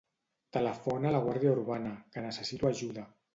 Telefona a la Guàrdia Urbana, que necessito ajuda.